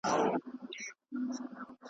او رنګینو ګلونو وطن دی .